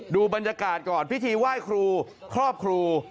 ดูบรรยากาศก่อนพิธีไหว้ครูครอบครู